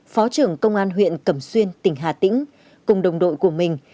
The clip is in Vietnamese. phó trưởng công an huyện cẩm xuyên tỉnh hà tĩnh cùng đồng đội của mình